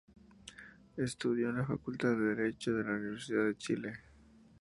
Estudio en la Facultad de Derecho de la Universidad de Chile.